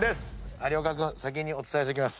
有岡君先にお伝えしておきます。